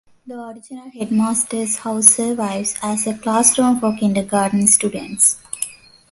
The original headmaster's house survives as a classroom for kindergarten students.